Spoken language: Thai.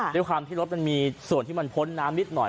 ด้วยความที่รถมันมีส่วนที่มันพ้นน้ำนิดหน่อย